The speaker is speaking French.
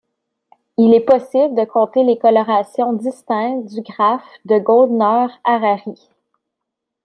Il est possible de compter les colorations distinctes du graphe de Goldner-Harary.